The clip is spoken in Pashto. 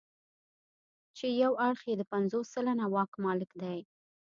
چې یو اړخ یې د پنځوس سلنه واک مالک دی.